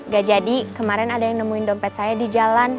gak jadi kemarin ada yang nemuin dompet saya di jalan